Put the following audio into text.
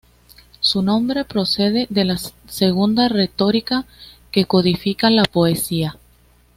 Su nombre procede de la "segunda retórica", que codifica la poesía.